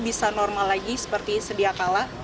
bisa normal lagi seperti sedia kala